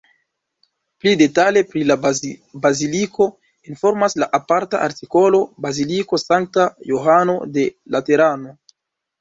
Pli detale pri la baziliko informas la aparta artikolo Baziliko Sankta Johano de Laterano.